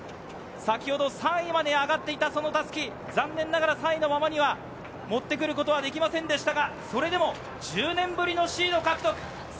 先ほど３位まで上がっていた襷、残念ながら３位のまま持ってくることはできませんでしたが、それでも１０年ぶりのシード獲得。